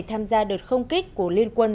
tham gia đợt không kích của liên quân